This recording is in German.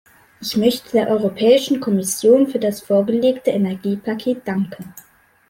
Ich möchte der Europäischen Kommission für das vorgelegte Energiepaket danken.